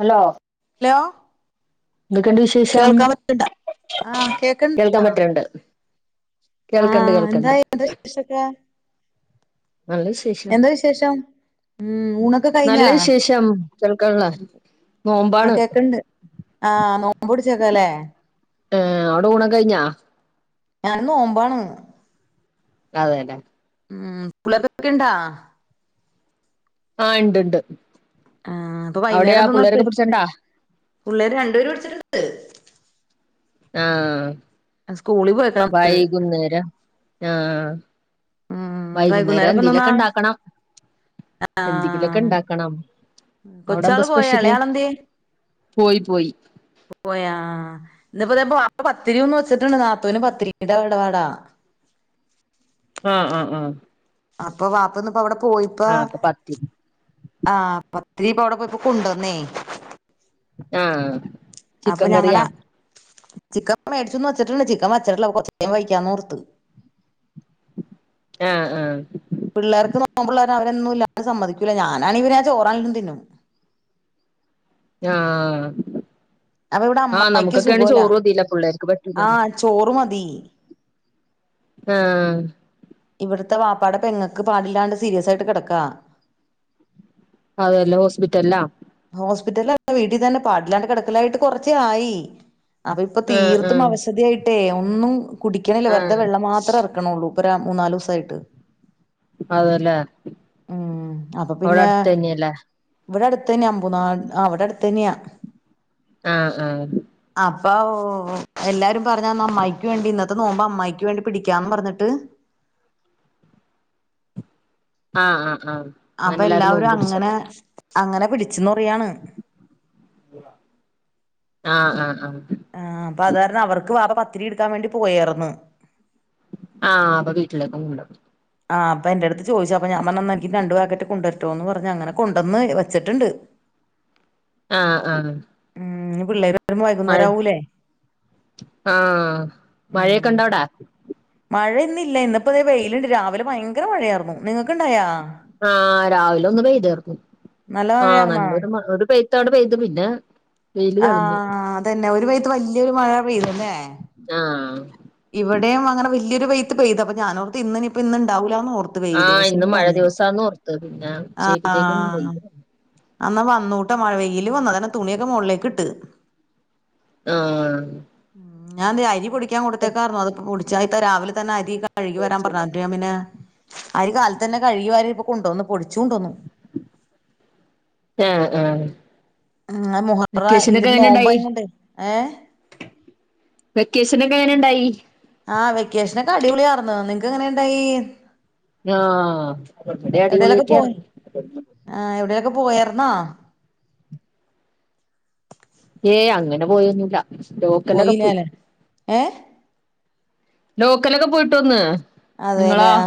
Hello hello എന്തൊക്കെയുണ്ട് വിശേഷം കേൾക്കാൻ പറ്റുണ്ടോ ആ കേക്കണ്ട കേൾക്കാൻ പറ്റണ്ട് ആ കേൾക്കണ്ട് അഎന്താ കേൾക്കണ്ട് എന്തായി വിശേഷൊക്കെ നല്ല വിശേഷം എന്താ വിശേഷം ഉം ഊണൊക്കെ നല്ല കഴിഞ്ഞാ വിശേഷം ഇത്രയെക്കെയുള്ളോ ആ കേക്കണ്ട് ആ നോമ്പു പിടിച്ചേക്കല്ലേ ആ അവിടെ ഊണൊക്കെ കഴിഞ്ഞാ ഞാൻ നോമ്പാണ് അതെല്ലെ ഉം പുള്ളേരൊക്കെയുണ്ടോ ആ ഉണ്ട് ഉണ്ട് ആ അപ്പൊ വൈകുന്നേരം അവിടെയാ എന്തിന്നാ പിള്ളേരൊക്കെ സ്പെഷ്യൽ പിടിച്ചണ്ടാ പുള്ളേര് രണ്ടുപേര പഠിച്ചിട്ടണ്ട് ആ ആ സ്കൂളിൽ പോയേക്കണത് വൈകുന്നേരം ആ ആ ഉം വൈകുന്നേരം ഇപ്പൊ എന്തെന്നാ എന്തേലുമൊക്കെ ഇണ്ടാക്കണം എന്തെങ്കിലൊക്കെ ആഹ് ഉണ്ടാക്കണം അവിടെ എന്താ കൊച്ചാള് പോയ സ്പെഷ്യല് ഇളയാളെന്തിയെ പോയി പോയി പോയാ ആ ആ ഇന്ന് ഇപ്പോ ബാപ്പ പത്തിരിന്ന് വെച്ചിട്ടുണ്ട് നാത്തൂന് പത്തിരിന്റെ ഇടപാടാ ആ ആ ആ അപ്പൊ വാപ്പയിന്ന് അവിടെ പോയിപ്പ ആ അപ്പൊ പത്തി ആ പ- ത്തിരി അവിടെ പോയിപ്പൊ കൊണ്ടുവന്നേ ആ അപ്പൊ ചിക്കൻ കറിയാ ഞങ്ങടെ ചിക്കൻ മേടിച്ചന്ന് വെച്ചിട്ടുണ്ട് ചിക്കൻ വച്ചിട്ടില്ല കൊറച്ച കഴിയുമ്പം വെക്കാന്ന് ഓർത്ത് ആഹ് ആ പിള്ളേർക്ക് നോമ്പുള്ള കാരണം അവരന്നും ഇല്ലാതെ സമ്മതിക്കൂല ഞാനാണങ്കി ചോറാണേലും തിന്നും ആ ആ അപ്പൊ ഇവിടെ ആഹ് അമ്മായിക്ക് നമുക്കൊക്കെയാണ് സുഖമില്ല ചോറ് മതില്ല പിള്ളേർക്ക് ആ പറ്റൂലല്ലോ ചോറ് മതി ആ ഇവിടത്തെ വാപ്പാട പെങ്ങക്ക് പാടില്ലാണ്ട് സീരിയസ് ആയിട്ട് കിടക്കാ അതല്ല ഹോസ്പിറ്റലിലാ ഹോസ്പിറ്റലല്ല വീട്ടിൽ തന്നെ പാടില്ലാണ്ട് കിടക്കലായിട്ട് കുറച്ച ആയി അപ്പ ഇപ്പ ആഹ് തീർത്തും ആഹ് അവശധായിട്ടേ ഒന്നും കുടിക്കണില്ലേ വെറുതെ ആഹ് വെള്ളം മാത്രമ ഇറക്കണള്ളൂ ഇപ്പൊ മൂന്നാല് ദിവസയിട്ട് അതല്ലേ അപ്പൊ അവിടെ പിന്നെ അടുത്ത തന്നെയല്ലേ ഇവിടെ അടുത്ത തന്നെയാ അമ്പുനാട് അവവിടെ അടുത്ത തന്നെയാ ആഹ് ആഹ് അപ്പൊ എല്ലാരും പറഞ്ഞന്ന് അമ്മായിക്ക് വേണ്ടി ഇന്നത്തെ നോമ്പ അമ്മായിക്ക് വേണ്ടി പിടിക്കാന്ന് പറഞ്ഞിട്ട് ആഹ് ആഹ് ആഹ് അങ്ങനെ അപ്പൊ എല്ലാരും എല്ലാവരും നോമ്പ് അങ്ങനെ പിടിച്ചല്ലേ അങ്ങനെ പിടിച്ചന്ന് പറിയാണ് ആഹ് ആഹ് ആഹ് ആഹ് അപ്പൊ അത്കാരണം അവർക്ക് പപ്പ പത്തിരി എടുക്കാൻ വേണ്ടി പോയർന്ന് ആഹ അപ്പൊ വീട്ടിലേക്കുംണ്ട ആഹ് അപ്പ എന്റെ അടുത്ത് ചോദിച്ച അപ്പ ഞാ പറ എനിക്ക് രണ്ട ഭാഗട്ട കൊണ്ടുവരറ്റോ എന്ന് പറഞ്ഞഞ് അങ്ങനെ കൊണ്ടന്ന് വച്ചിട്ടുണ്ട് ആഹ് ആഹ് ഉം നി പിള്ളേർ വരുമ്പോ മഴ വൈകുന്നേരം ആവൂലേ ആഹ് മഴയൊക്കെ ഉണ്ട അവിടെ ഇപ്പോ ല്ലാ അത വെയിലുണ്ട് രാവിലെ ഭയങ്കര മഴയായിരുന്നു നിങ്ങൾക്ക്ണ്ടാ ആഹ രാവിലെ ഒന്ന് പെയതേർന്നു നല്ല ആഹ് മഴയാർന്നാ നല്ലൊരു പെയ ത്തോടെ പെയത് പിന്നെ വെയില് തെളിഞ്ഞ് ആഹ് അതന്നെ ഒരു പെയത്ത് വലിയൊരു മഴ പെയ്തു ആഹ് ഇവിടെയും അങ്ങനെ വലിയൊരു പെയ്ത്ത് പെയ്ത് അപ്പൊ ഞാനോർത്ത് ഇന്ന ഇപ്പോ ഇന്ന ഉണ്ടാവ ഓർത്ത് വെയിൽ ആഹ് പക്ഷെ ഇന്ന് മഴ വന്നു ദിവസാന്ന് ഓർത്ത് പിന്നെ ഉച്ചയായപ്പത്തേക്കും ആഹ വെയില് വന്നു. എന്നന്നാ വന്നൂട്ട മഴ വെൽ വന്നതന്നെ തുണിയൊക്കെ മുകളിലേക്ക് ഇട്ട് ആഹ് ഉം ഞാ അ അരി പൊടിക്കാൻ കൊടുത്തേക്കാർന്നു അത്പൊടിച്ച ഇത്ത രാവിലെ തന്നെ അരി കഴുകി വരാൻ പറഞ്ഞ പിന്നെ ആര് കാലത്ത്ന്ന കഴുകി വാരി കൊണ്ടുന്നന്ന് പൊടിച്ച ആഹ് ആഹ് ഉ മുഹറ വെക്കേഷനൊക്കെ ഇതിന് നോമ്പായ എങ്ങനെണ്ടായി കൊണ്ട് ഏ വെക്കേഷനൊക്കെ എങ്ങനെ ഉണ്ടായി ആഹ് വെക്കേഷനൊക്കെ അടിപൊളിയാർന്ന നിനക്ക് എങ്ങനെുണ്ടായി ആഹ് എവിടെ എവിടേലൊക്കെ അടിപൊളിയൊക്കെയറ പോയർന്നാ ഏ അങ്ങനെ പോയൊന്നുമില്ല ലോക്കലൊക്കെ പോയി പോയില്ലാല്ലേ ഏഹ് ലോക്കലൊക്കെ പോയിട്ട് വന്ന് അതെല്ലേ നിങ്ങളോ ആ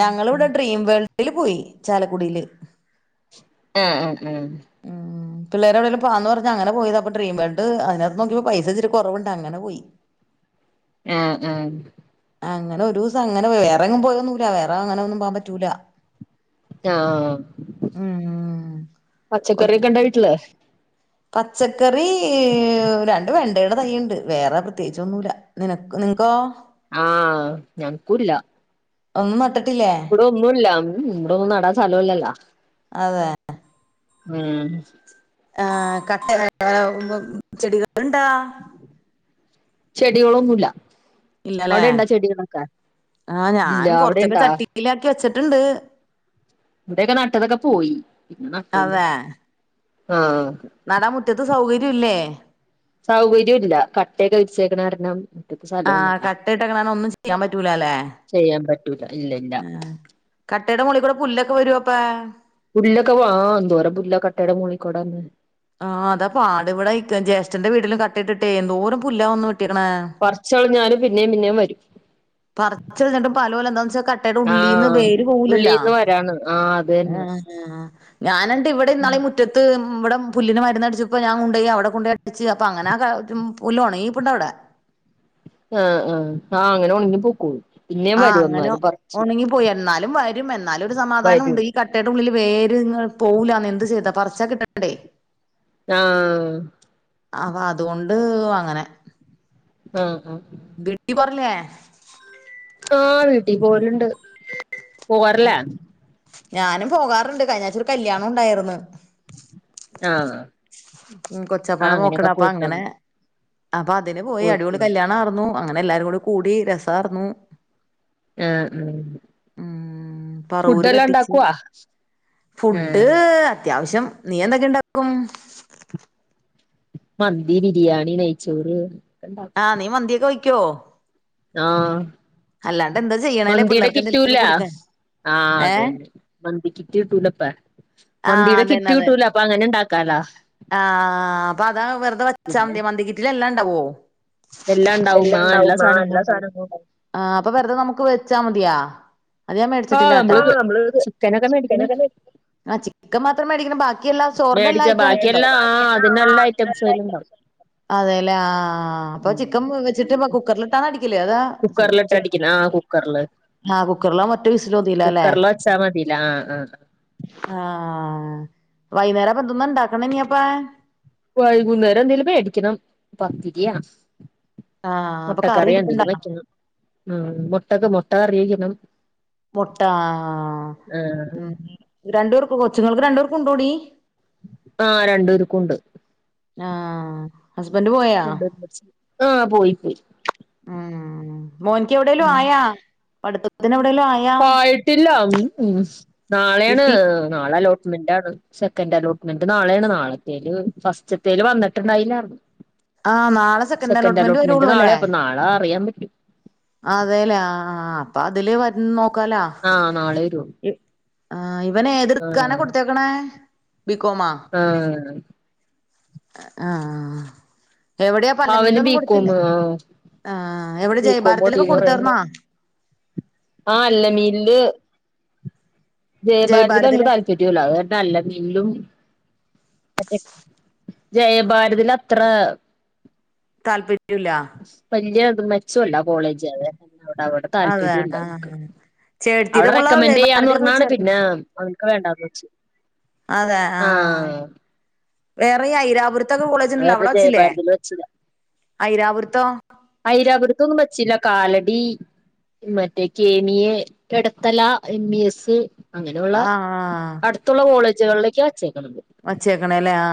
ഞങ്ങ ഇവിടെ ഡ്രീം വേൾഡ് ഡിൽ പോയി ചാലകുടീല് ആഹ് ഉം ഉം പിള്ളേരെടെവിെലുംന്ന് പറഞ്ഞ അങ്ങനെ പോയത് അപ്പ ഡ്രീം വേൾഡ് അതിനകത്ത് നോക്കിപ്പോ പൈസച്ചിരി കുറവണ്ട്ങ്ങനെ പോയി ആഹ് ആഹ് അങ്ങനെ ഒരു ദിവസം അങ്ങനെ വറെങ്ങും പോയൊന്നുമൂല വേറെ അങ്ങനെ ഒന്നും പോാൻ പറ്റൂല ആഹ ഉം കൊച്ച് പച്ചക്കറൊക്കെണ്ട വീട്ടില്േ പച്ചക്കറി രണ്ട് വെണ്ടയുടെ തൈുണ്ട് വേറെ പ്രത്യേകിചൊന്നുല്ല നിനക്ക് എൻകോ ആഹ് ഞങ്‌കൂല്ല ഒന്ന് മട്ട ഇവിട ഒന്നുല്ല ഇവിടൊന്നും നടാൻ സലോല്ലല്ല അതെ ഉം ആഹ് കട്ട ചെടികൾണ്ടാ ചെടികളൊന്നുല്ല ഇല്ലല്ലേ അവിടെണ്ടാ ചെടികളൊക്കെ ആഹ് ഇല്ല ഞാൻ കൊറച്ചൊക്കെ അവിടെണ്ടാ ചട്ടിയില ആക്കി വെച്ചിട്ട ണ്ട് ഇവിടെയൊക്കെ നട്ടതൊക്കെ പോയി പിന്നെ നട്ടൊന്നുമില്ല അതെ നടാൻ മുറ്റത്ത് സൗകര്യം ഇല്ലേ സൗകര്യം ഇല്ല കട്ടയൊക്കെ വിരിച്ചേക്കണ കാരണം മുറ്റത്ത് ആ സ്ഥലവുല്ലല്ലോ കട്ടയിട്ടക്കണ കാരണംഒന്നും ചെയ്യാൻ പറ്റൂല അല്ലെ ചെയ്യാൻ പറ്റൂല ഇല്ല ഇല്ല ആ കട്ടയുടെ മുകളിക്കൂടെ പുല്ലൊക്കെ വരുവോ അപ്പോ പുല്ലൊക്കെ വാ എന്തോരെ പുല്ലാ കട്ടയുടെ മോളിൽ കൂടെ വരുന്നെ ആ അതാ പാട് ഇവിടെ ജ്യേഷ്ഠന്റെ വീട്ടിലും കട്ടയിട്ടിട്ടെ എന്തോരം പുല്ലാ വന്ന് വെട്ടിയേക്കണേ പറിച്ചു കളഞ്ഞാലും പിന്നേയും പിന്നേയും വരും പറിച്ച് കളഞ്ഞിട്ടും പാല് പോലെ എന്താന്ന് വെച്ചാൽ കട്ടയുടെ ഉള്ളീന്ന് ആഹ് വേര് പോവുലില്ലല്ലോ ഉള്ളീന്ന് വരാണ് ആഹ് അത് തന്നെ ആ ഞാൻ ഒണ്ട് ഇവിടെ ഇന്നാളി മുറ്റത്ത് ഉം ഇവടെ പുല്ലിന് മരുന്നടിച്ചപ്പോ ഞാൻ കൊണ്ടോയി അവിടെ കൊണ്ടോയി ഇട്ടിച്ച്. അപ്പ അങ്ങനെ ആ ക ജും പുല്ല് ഒണങ്ങി നിപ്പുണ്ടവിടെ. ആഹ് ആഹ്. ആഹ് അങ്ങനെ ഒണങ്ങി പൊക്കോളും. പിന്നേം ആഹ് വരും അങ്ങനെ എന്നാലും പറിച്ച് ഒണങ്ങി പോയി എന്നാ ലും വരും. എന്നാലും ഒരു സമാധാന ഉണ്ട്. വരും ഈ കട്ടേടെ ഉള്ളില് വേര് ങ്ങ് പോകുല്ലാന്നെ. എന്ത് ചെയ്താ പറിച്ചാ കിട്ടണ്ടേ. ആഹ് അവ അതുകൊണ്ട് അങ്ങനെ. ആഹ് ആഹ് വീട്ടി പോകാറില്ലേ? ആഹ് വീട്ടീ പോവല്ണ്ട്. പോവാറില്ലേ? ഞാനും പോകാറുണ്ട്. കഴിഞ്ഞാഴ്ച്ച ഒരു കല്യാണം ഉണ്ടായിര്ന്ന്. ആഹ് ഉം ആഹ് കൊച്ചാപ്പാടെ മോക്കടെ. അങ്ങനെയൊക്കെ അപ്പ പോയിട്ട് അങ്ങനെ വന്ന് അപ്പൊ അതിന് പോയി. പോയിട്ട് അടിപൊളി വന്ന് കല്യാണം ആർന്നു. അങ്ങനെ എല്ലാരും കൂടെ കൂടി. രസവാർന്നു. ആഹ് ഉം ഉം പറവൂര് കെട്ടിച്ച്. ഫുഡ് ആഹ് അത്യാവശ്യം. നീ എന്തൊക്കെ ഇണ്ടാക്കും? മന്തി, ബിരിയാണി, നെയ്ച്ചോറ് ഒക്കെണ്ടാക്കും ആഹ് നീ മന്തിയൊക്കെ വയ്ക്കുവോ? ആഹ് അല്ലാണ്ട് എന്താ ചെയ്യ്ണേല്ലേ മന്തിയുടെ പിള്ളേർക്ക് കിട്ടൂല എന്തെലൊക്കെ കൊടുക്കാൻ. ആഹ് അത് ഏഹ് തന്നെ മന്തി കിറ്റ് കിട്ടൂലേ ഇപ്പെ. ആഹ് മന്തിടെ അതന്നെ കിറ്റ് അതന്നെ കിട്ടൂലോ അപ്പൊ അങ്ങനെ ണ്ടാക്കാലോ. ആഹ് അപ്പൊ അതാണ്. വെറുതെ പിന്നെ വെച്ചാമതിയോ മന്തി കിറ്റില് എല്ലാം ഉണ്ടാവോ? എല്ലാം ഉണ്ടാവും. ആഹ് എല്ലാ സാനങ്ങളും ഉണ്ടാവും. ആഹ് അപ്പൊ വെറുതെ നമുക്ക് വെച്ചാ മതിയോ? അത് ഞാൻ മേടിച്ചിട്ടില്ലാട്ടോ. ആഹ് നമ്മള് ചിക്കനൊക്കെ മേടിക്കണം ചിക്കതൊക്കെ. ചിക്കൻ മാത്രം മേടിക്കണം ബാ ബാക്കിയെല്ലാം ചോറിന്റെ എല്ലാ മേടിച്ച ഐറ്റോം അതിനത്ത്ണ്ട് ബാക്കിയെല്ലാം ആഹ് അതിനെല്ലാ ഐറ്റംസും അയിലുണ്ടാവും [unintelligible] അതെല്ലേ ആഹ് അഹ് അപ്പൊ ചിക്കൻ വെച്ചിട്ട് കുക്കറിലിട്ടാണടി ക്കില് അതാ കുക്കറിലിട്ട് അടിക്കണം ആഹ് കുക്കറില് [unintelligible] ആഹ് കുക്കറിലാമൊറ്റ വിസില് മതിയല്ലോല്ലേ കുക്കറില് വെച്ചാ മതില്ലേ ആഹ് ആഹ് ആഹ് വൈന്നേരം അപ്പൊ എന്തന്നാണ്ടാക്കണേനി അപ്പ വൈകുന്നേരം എന്തേലും മേടിക്കണം പത്തിരിയാ ആഹ് അപ്പൊ കറി മൊട്ടക്കറിയെന്തെലും ഇരിപ്പുണ്ടോ വെക്കണം ഉം മൊട്ടക്ക് മൊട്ടകറിവയ്ക്കണം മൊട്ടാ മ്മ് രണ്ടു പേർക്ക് കൊച്ചുങ്ങൾക്ക് രണ്ടു പേർക്കുണ്ടോടി ആഹ് രണ്ടുവേര്ക്കും ഉണ്ട് ആഹ് ഹസ്ബൻഡ് പോയ രണ്ടുപേരും പഠിച്ചു ആഹ് പോയി പോയി ഉം മോൻക്ക് എവിടെലും ആയ പഠിത്തത്തി [unintelligible] ആയിട്ടില്ല ഉം ഉം നാളെയാണ് കിട്ടി നാളെ ലോ മെന്റാണ് സെക്കൻറ് അലോട്ട്മെന്റ് നാളെയാണ് നാളത്തേല് ഫസ്റ്റത്തേല് വന്നട്ട്ണ്ടായില്ലാർന്നു ആ നാളെ സെക്കൻഡ് അലോട്ട്മെന്റ് സെക്കൻറ്റലോട്ട്മെന്റ് നാളെയാ അപ്പൊ നാളെ അറിയാൻ പ- അതെല്ലേ ആഹ് അഹ് അപ്പൊ അതില് വര് നോ ആഹ് നാളെ രു ആഹ് ഇവനെതിർക്കാനെ കൊടുത്തേക്കണേ ആഹ്... ആഹ് അഹ് അഹ് എവിടെയാ അവന് പല്ലമീനിലൊന്നും ബികോം കൊടുത്തില്ലേ ആഹ് ആഹ് എവിടെ ബികോം ജൈഭാരത്തിലൊക്കെ മതീന്ന് പറയണ്ട കൊടുത്തർന്നാ ആഹ് അല്ലമീല് ജയഭാരതി നക്ക് ജയഭാരതില് താല്പര്യല്ല അരുടെല്ല നീലും മറ്റേ ജയഭാരതിൽ അത്ര താല്പര്യില്ല വല്യ മെച്ചല്ല കോളേജ്തെ ടെ താല്പര്യ അതാണ് ആഹ് ചേട്ടത്തിടെ അവിടെ പുള്ള റെക്കമെന്ഡറ് ചെയ്യാന്ന് ഭാരതി കോളേജ് പറഞ്ഞ ചേർക്കണ് പിന്നെ അവനക്ക് വേണ്ടന്ന് വെച്ചു അതെ ആഹ് ആഹ വേറെ ഈ ഐരാപുരത്തൊക്കെ കോളേജ ഉണ്ടല്ലോ അവിടെ വച്ചില്ലേ ജയഭാരതിൽ വെച്ചതാ ഐരാപുരത്തോ ഐരാപുരത്തൊന്നും പച്ചിില്ല കാലടി മറ്റേ കെമി എ കടത്തല എം ഇ എസ് അങ്ങനെയുള്ള ആഹ് അടുത്തുള്ള കോളേജുകളിലേക്ക് വച്ചേക്കണം വച്ചേക്കണല്ലേ ആ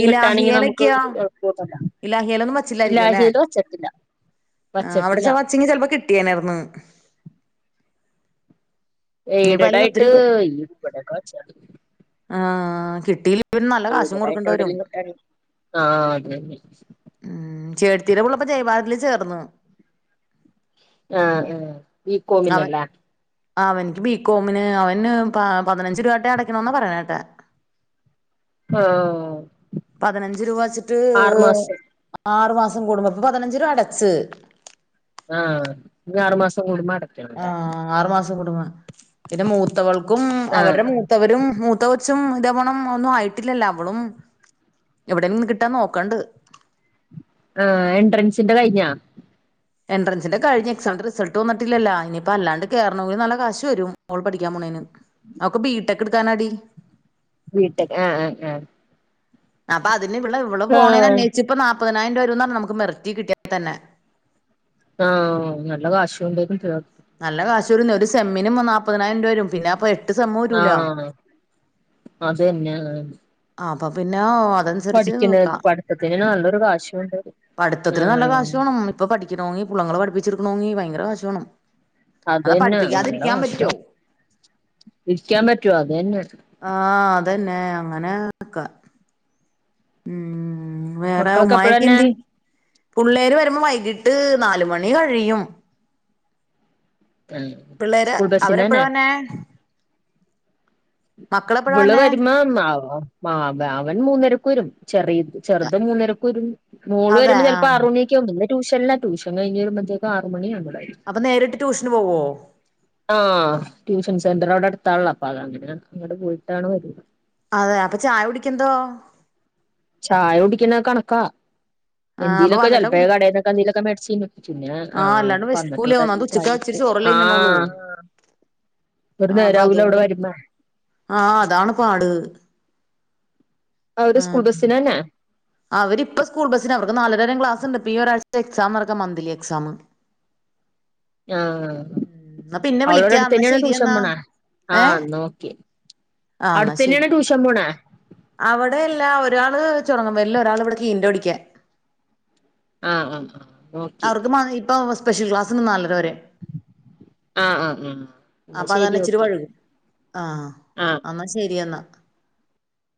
ഈ കിട്ടാണെങ്കി നമുക്ക് ലാഹിലക്കെയോ കുഴപ്പമൊന്നുമില്ല ഇല്ല ഹലൊന്ന മാ ചില്ലായിരിക്ക അല്ലെ ഇലാഹിയിൽ വച്ചിട്ടില്ല ആ വച്ചിട്ടില്ല അവിടെച്ച വച്ചിങ്ക ചിലപ്പോ കിട്ടിയനായിർന്ന് നീ എയ്ഡഡ് പല്ലങ്ക ഒത്തിരി ആയിട്ട് ഈ ഇവിടെയൊക്കെ വച്ചാ ആഹ കിട്ടില്ല പിന്നെ നല്ല കാശും എയ്ഡഡ് ആയിട്ട് കൊടുക്കേണ്ട വരും എവിടെലും കിട്ടാണെങ്കി ആഹ് അത് തന്നെ ഉ ചേർത്തിീരപള്ളപ്പ ജയബാതിൽ ചേർന്നു ആഹ ആ ഈ അവൻ കോോമിനല്ലേ അവനിക്ക് ബികോമിന് അവന് പ പതിനഞ്ച് രൂപട്ടെ അടക്കണന്നാ പറയാനട്ടെ ആഹ് പതിനഞ്ച് രൂപ വെച്ചിട്ട് ആറ് മാസം ആറു മാസം കൂടുമ്പോ അപ്പൊ പതിനഞ്ച് രൂപ അടച്ച് ആഹ ഇ ആറ് മാസം കൂടുമാ ആഹ ആറു മാസം കുടുങ്ങ പിന്നെ മൂത്തവൾക്കും ആഹ് അവരുടെ മൂത്തവരും മൂത്ത കൊറച്ചും ഇതവണം ഒന്നും ആയിട്ടില്ലല്ലോ അവളും എവിടെ നിന്ന് കിട്ടാ നോക്കണ്ട് ആ എൻട്രൻസിന്റെ കഴിഞ്ഞാ എൻട്രൻസിന്റെ കഴിഞ്ഞ എക്സാി റിൾട്ട് വന്നിട്ടില്ലല്ല ഇനിയിപ്പോ അല്ലാണ്ട് കേയറണെിൽ നല്ല കാശ വും അവൾ പഠിക്കാൻ അവക്കെ വീട്ടൊക്കെ എടുക്കാന അടി വീട്ടക്ക് ആഹ് ആഹ ആഹ അപ്പൊ അതിന് ഇവിടെ ഇവിടെ പോണേ അന്േഷ ഇപ്പ നാ മുപ്പതിനായിരം രൂപരൂ എന്ന നമുക്ക് മെരത്തിി കിട്ടിയ തന്നെ ആഹ നല്ല കാശ ഉണ്ടായിരിക്കും നല്ല കാശരു ഒരു സെമ്മിനും നാപ്പതിനായിരം രൂപ വരും പിന്നെ അപ്പൊ എ ആഹ അത് തന്നെയ ആ അപ്പൊ പിന്നെ അതനുസരിച്ച് പഠിക്കണ പഠിത്തത്തിന് നല്ലൊരു കാശമുണ്ട പഠിത്തിന് നല്ല കാശേണം ഇപ്പൊ പഠിക്കണമെങ്കി പുള്ളള്ളങ്ങള്െ പഠിപ്പിച്ചിരിക്കക്കണമങ്കി ഭയങ്കര കാശണം അത് തന്നെ നല്ല ഭഷം ഇരിക്കാൻ പറ്റുവ അത് തന്നെ ആഹ അതെന്നെ അങ്ങനെക്ക ഉ ഉ വേറെ മക്കളൊക്കെ ഉമായക്ക എപ്പഴന്നെ എന്തി പുള്ളേര് വരുമ്പോ വൈകിട്ട് ട്ട് നാല മണി കഴിയും ആഹ് പിള്ളേര് സ്കൂൾ ബസിനന്നെ അവരെപ്പഴന്നെ വിള് വര്ണേ വരുമ്പ അവൻ മൂന്നരക്ക് വരും ചെറിയത് ചെറുത് മൂന്നരക്ക ഒരു മോള് അതെ വരുമ്പോ ആ ചിലപ്പോൾ ആറ മണിയൊക്കൊവും ട്യഷില ട്യൂഷൻ കഴിയമ്പത്തേക്ക ആറ് മണിയ ആണ് അപ്പൊ നേരിട്ട് ട്യൂഷന് പോവോ ആഹ ട്യൂഷൻ സെന്ററോടെ അടുത്തുള്ളാം അപ്പ അ അങ്ങനെ അങ്ങടെ പോയിട്ടാണ് വരുന്നത് അതെ അപ്പൊ ചായ പിടിക്കന്തോ ചായ കുടിക്കുന്ന കണക്കാ ആ അപ്പൊ എന്തേലൊക്കെ വന്നിട്ടാ ചെിലപ്പ കുടിക്കും കടന്നൊക്കെ എന്തലൊക്കെ മേടിച്ചുന്നു പിന്നെ ആ ആഹ അല്ലാണ്ട് വെശക്കൂലേ പറന്നിട്ടോടെ ഒന്നാമത് ഉച്ചക്ക് ച ആ ആഹ അപ്പൊ അതുകൊണ്ട് ആഹ അതാണ് പാട് അവത് സ്കൂൾ ആഹ് ബസ്സിനന്നെ അവരിപ്പ സ്കൂൾ ബസ്സിന് അവർക്ക് നാലരരേം ക്ലാസ്ണ്ട് ഇപ്പ ഈ ഒരാഴ്ച എക്സാം നടക്കാ മന്ത്ലി എക്സാം ആ എന്നാ പിന്നെ അവളോട വിളിക്കാ എന്നാ അടുത്തന്നെയാണൊ ശരി ടൂഷൻ എന്നാ പോണെ ആ നോക്കി ആ എന്നാ ശരി അവിടെയല്ല ഒരാള് ടങ്ങും വല്ല ഒരാള് ഇവിടക്ക് ഇൻറോടിക്കാ ആ ആ ആ ഓക്കെ മ ഇപ്പൊ സ്പെഷ്യൽ ക്ലാസ്സിൽന്ന് നാലര വരെ ആഹ ആ് ആ അ ശരി ഓക്കെ ആഹ ആഹ് അന്നാ ശരി എന്നാ